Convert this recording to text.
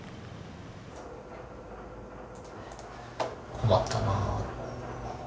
困ったなあ。